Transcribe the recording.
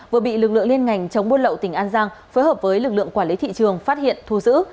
vừa bị lực lượng liên ngành chống buôn lậu tỉnh an giang phối hợp với lực lượng quản lý thị trường phát hiện thu giữ